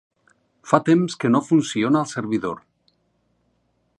Fa temps que no funciona el servidor.